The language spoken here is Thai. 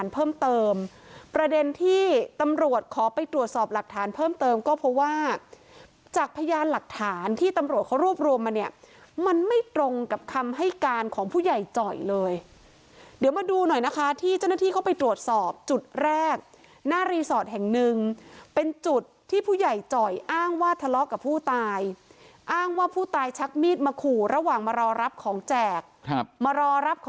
เพิ่มเติมประเด็นที่ตำรวจขอไปตรวจสอบหลักฐานเพิ่มเติมก็เพราะว่าจากพยานหลักฐานที่ตำรวจเขารวบรวมมาเนี่ยมันไม่ตรงกับคำให้การของผู้ใหญ่จ่อยเลยเดี๋ยวมาดูหน่อยนะคะที่เจ้าหน้าที่เข้าไปตรวจสอบจุดแรกหน้ารีสอร์ทแห่งหนึ่งเป็นจุดที่ผู้ใหญ่จ่อยอ้างว่าทะเลาะกับผู้ตายอ้างว่าผู้ตายชักมีดมาขู่ระหว่างมารอรับของแจกครับมารอรับค